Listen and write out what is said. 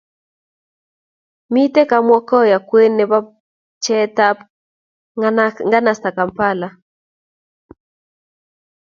Mitei Kamwokya kwen nebo pcheetab nganasetab Kampala.